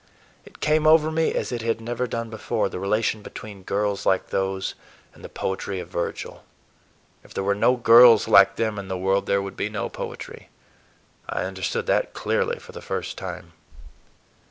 It came over me, as it had never done before, the relation between girls like those and the poetry of Virgil. If there were no girls like them in the world, there would be no poetry. I understood that clearly, for the first time.